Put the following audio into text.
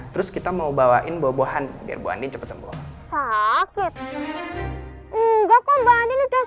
terus kita mau bawain bobohan biar banding cepet cepet